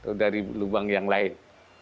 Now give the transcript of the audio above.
atau dari lubang yang lain